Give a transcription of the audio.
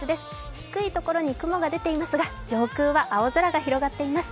低いところに雲が見えていますが上空は青空が広がっています。